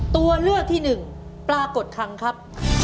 ตัวเลือกที่หนึ่งปลากดคังครับ